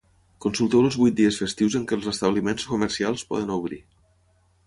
Consulteu els vuit dies festius en què els establiments comercials poden obrir.